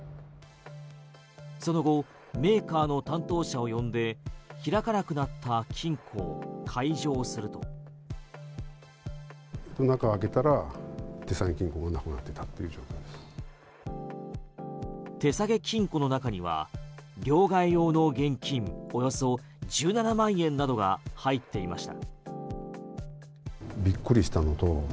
その後メーカーの担当者を呼んで開かなくなった金庫を開錠をすると手提げ金庫の中には両替用の現金およそ１７万円などが入っていました。